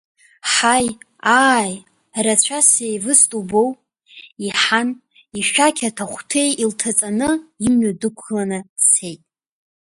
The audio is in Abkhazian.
Ҳаи, ааи, рацәа сеивыст убуоу, иҳан, ишәақь аҭаҳәҭеи илҭаҵаны имҩа дықәланы дцеит.